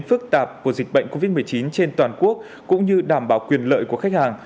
phức tạp của dịch bệnh covid một mươi chín trên toàn quốc cũng như đảm bảo quyền lợi của khách hàng